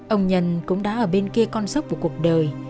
ông nhân cũng đã ở bên kia con sốc của cuộc đời